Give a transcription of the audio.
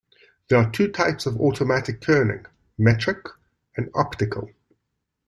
There are two types of automatic kerning: "metric" and "optical".